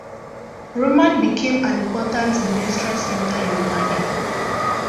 Roman became an important industrial center in Romania.